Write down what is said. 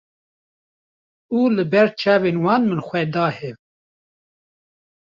û li ber çavên wan min xwe da hev